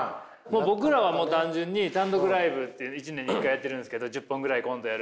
僕らはもう単純に単独ライブっていうの１年に１回やってるんですけど１０本ぐらいコントやる。